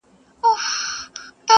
د انسانانو په جنګ راغلې.!